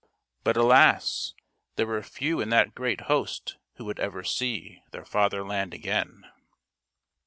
But, alas, there were few in that great host who would ever see their fatherland aorain.